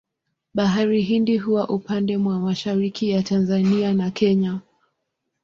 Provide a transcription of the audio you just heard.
Bahari Hindi huwa upande mwa mashariki ya Tanzania na Kenya.